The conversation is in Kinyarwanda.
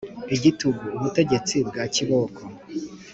igitugu: ubutegetsi bwa kiboko